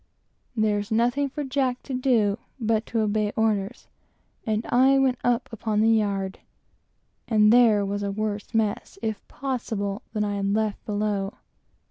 There's nothing for Jack to do but to obey orders, and I went up upon the yard; and there was a worse "mess," if possible, than I had left below.